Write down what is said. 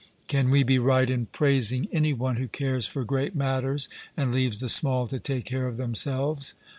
Can we be right in praising any one who cares for great matters and leaves the small to take care of themselves?